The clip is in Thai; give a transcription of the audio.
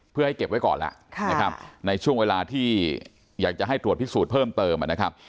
เพื่อให้เก็บไว้ก่อนแล้วนะครับในช่วงเวลาที่อยากจะให้ตรวจพิสูจน์เพิ่มเติมนะครับ